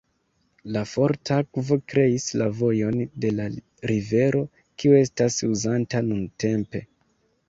La forta akvo kreis la vojon de la rivero kiu estas uzanta nuntempe.